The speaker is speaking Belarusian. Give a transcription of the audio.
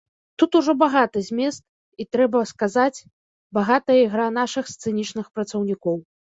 Тут ужо багаты змест і, трэба сказаць, багатая ігра нашых сцэнічных працаўнікоў.